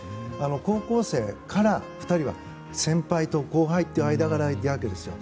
高校生から２人は先輩と後輩という間柄なわけですよ。